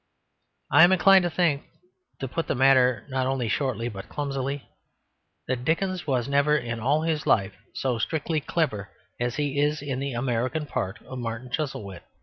I am inclined to think (to put the matter not only shortly but clumsily) that Dickens was never in all his life so strictly clever as he is in the American part of Martin Chuzzlewit.